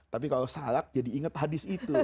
tapi kalau salak jadi inget hadis itu